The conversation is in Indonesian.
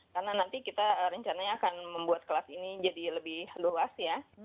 karena nanti kita rencananya akan membuat kelas ini jadi lebih luas ya